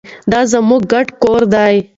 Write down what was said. دا زموږ ګډ کور دی.